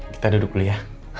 kita duduk dulu ya